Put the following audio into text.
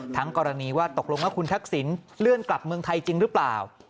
กรณีว่าตกลงว่าคุณทักษิณเลื่อนกลับเมืองไทยจริงหรือเปล่า